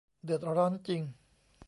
เดือดร้อนจริง